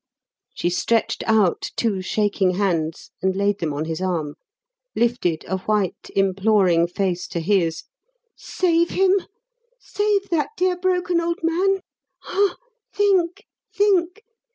she stretched out two shaking hands and laid them on his arm, lifted a white, imploring face to his "save him! save that dear broken old man! Ah, think! think!